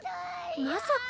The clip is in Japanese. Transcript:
まさか。